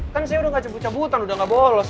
kan saya udah gak cabut cabutan udah gak bolos